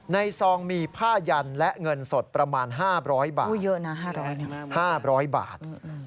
ซองมีผ้ายันและเงินสดประมาณ๕๐๐บาท๕๐๐บาท